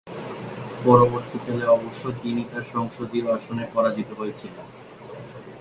পরবর্তীকালে অবশ্য তিনি তার সংসদীয় আসনে পরাজিত হয়েছিলেন।